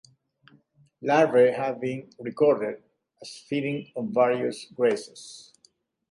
Larvae have been recorded as feeding on various grasses.